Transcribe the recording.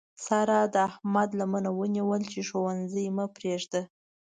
سارا د احمد لمنه ونیوله چې ښوونځی مه پرېږده.